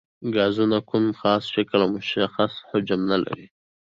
ګازونه کوم خاص شکل او مشخص حجم نه لري.